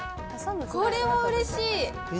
これはうれしい。